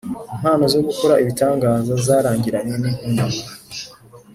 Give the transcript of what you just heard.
Impano zo gukora ibitangaza zarangiranye n intumwa